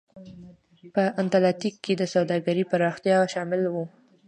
په اتلانتیک کې د سوداګرۍ پراختیا شامل و.